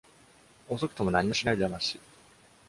遅くとも何もしないよりはまし